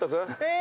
え